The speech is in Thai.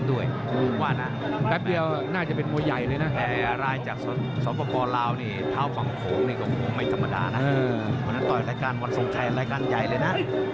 วันนั้นต่อยรายการวันทรงไทยรายการใหญ่เลยนะ